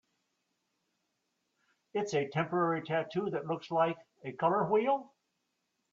It's a temporary tattoo that looks like... a color wheel?